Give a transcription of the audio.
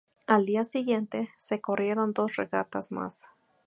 Al día siguiente se corrieron dos regatas más.